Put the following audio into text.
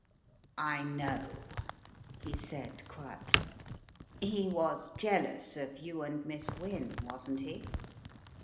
"I know," he said, quietly, "he was jealous of you and Miss Wynne, wasn't he?